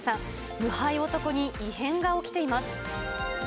無敗男に異変が起きています。